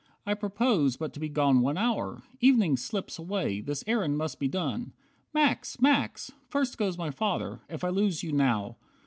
I propose But to be gone one hour! Evening slips Away, this errand must be done." "Max! Max! First goes my father, if I lose you now!"